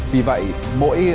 vì vậy mỗi cải cách